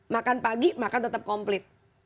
makan pagi makan tetap komplit